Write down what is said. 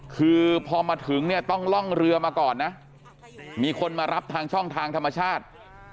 คือพอมาถึงเนี่ยต้องล่องเรือมาก่อนนะมีคนมารับทางช่องทางธรรมชาติ